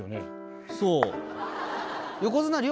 そう。